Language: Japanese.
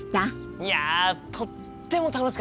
いやとっても楽しかったよ！